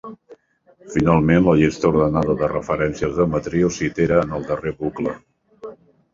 Finalment la llista ordenada de referències de matrius s'itera en el darrer bucle.